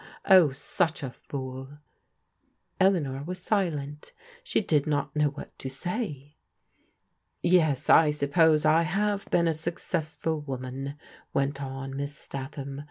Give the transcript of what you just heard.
Oh, such a fool !" Eleanor was silent. She did not know what to say. "Yes, I suppose I have been a successful woman," went on Miss Statham.